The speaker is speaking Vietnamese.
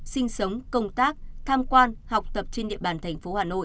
sinh sống công tác tham quan học tập trên địa bàn thành phố hà nội